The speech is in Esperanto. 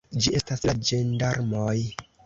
Ĝi estas la ĝendarmoj!